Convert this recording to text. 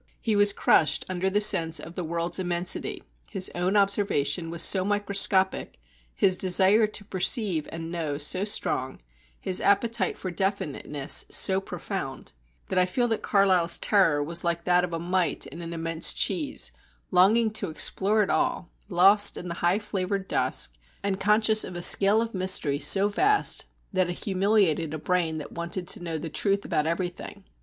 He was crushed under the sense of the world's immensity; his own observation was so microscopic, his desire to perceive and know so strong, his appetite for definiteness so profound, that I feel that Carlyle's terror was like that of a mite in an enormous cheese, longing to explore it all, lost in the high flavoured dusk, and conscious of a scale of mystery so vast that it humiliated a brain that wanted to know the truth about everything.